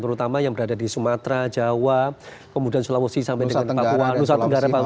terutama yang berada di sumatera jawa kemudian sulawesi sampai dengan papua nusa tenggara barat